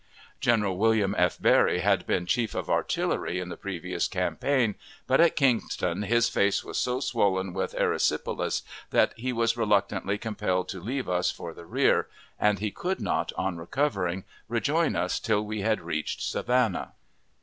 General William F. Barry had been chief of artillery in the previous campaign, but at Kingston his face was so swollen with erysipelas that he was reluctantly compelled to leave us for the rear; and he could not, on recovering, rejoin us till we had reached Savannah.